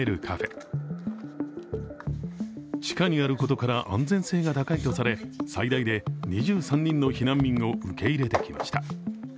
カフェ地下にあることから安全性が高いとされ、最大で２３人の避難民を受け入れてきました。